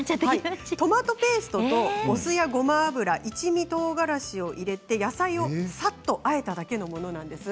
トマトペーストとお酢やごま油、一味とうがらしを入れて野菜をさっとあえただけのものです。